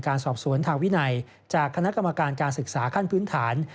สอบสวนทางวินัยจากคณะกรรมการการศึกษาขั้นพื้นฐาน